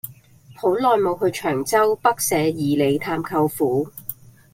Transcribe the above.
好耐無去長洲北社二里探舅父